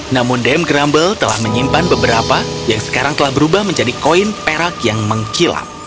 namun dame grumble telah menyimpan beberapa yang sekarang telah berubah menjadi koin perak yang mengkilap